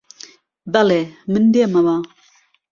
بەڵێ، من دێمەوە